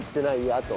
あと。